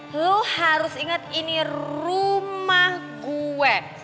lo harus inget ini rumah gue